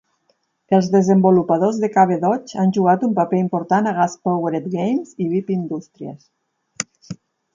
Els desenvolupadors de Cavedog han jugat un paper important a Gas Powered Games i Beep Industries.